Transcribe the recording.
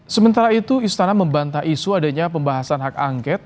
sementara itu istana membantah isu adanya pembahasan hak angket